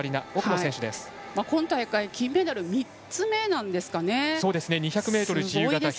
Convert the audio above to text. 今大会、金メダル３つめなんですかね。